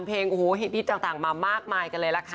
เพลงฮิตต่างมามากมายกันเลยล่ะค่ะ